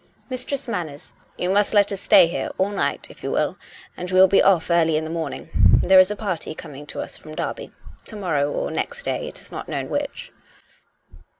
" Mis tress Manners, you must let us stay here all night, if 3^ou will; and we will be off early in the morning. There is a party coming to us from Derby — to morrow or next day: it is not known which."